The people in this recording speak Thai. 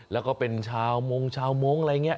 แล้วก็เป็นชาวมงชาวมงค์อะไรอย่างนี้